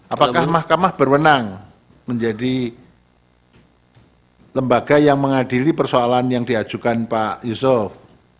apakah mahkamah berwenang menjadi lembaga yang mengadili persoalan yang diajukan pak yusuf